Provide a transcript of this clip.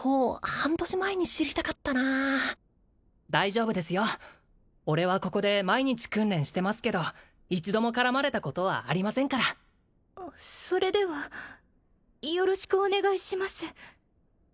半年前に知りたかったな大丈夫ですよ俺はここで毎日訓練してますけど一度も絡まれたことはありませんからそれではよろしくお願いします